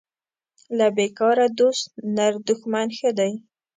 له بیکاره دوست نر دښمن ښه دی